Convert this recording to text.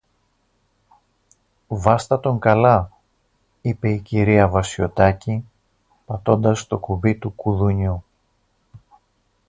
Βάστα τον καλά, είπε η κυρία Βασιωτάκη πατώντας το κουμπί του κουδουνιού